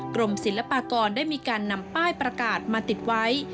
กรมศิลปากรได้มีการนำป้ายประกาศมาติดไว้